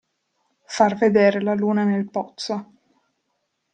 Far vedere la luna nel pozzo.